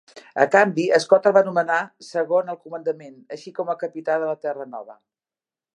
A canvi, Scott el va nomenar segon al comandament, així com el capità de la "Terra nova".